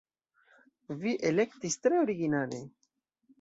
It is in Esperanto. Vi elektis tre originale!